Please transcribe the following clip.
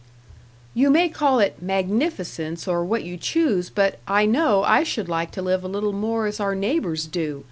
"You may call it 'magnificence,' or what you choose; but I know I should like to live a little more as our neighbours do.